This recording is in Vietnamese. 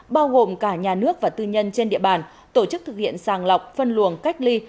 bao gồm cả nhà nước và tư nhân trên địa bàn tổ chức thực hiện sàng lọc phân luồng cách ly